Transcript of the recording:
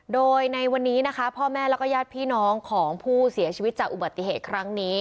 โดยในวันนี้นะคะพ่อแม่แล้วก็ญาติพี่น้องของผู้เสียชีวิตจากอุบัติเหตุครั้งนี้